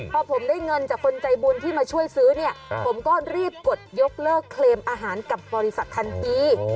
พอผมได้เงินจากคนใจบุญที่มาช่วยซื้อเนี่ยผมก็รีบกดยกเลิกเคลมอาหารกับบริษัททันที